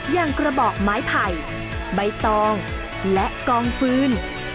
อย่างกระบอกไม้ไผ่ใบตองและกองฟืน